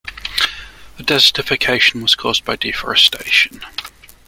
The desertification was caused by deforestation.